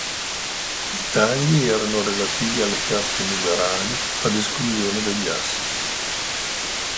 I tagli erano relativi alle carte numerali, ad esclusione degli Assi.